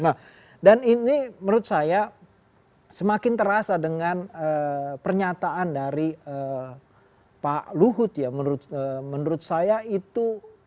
nah dan ini menurut saya semakin terasa dengan pernyataan dari pak luhut ya menurut saya itu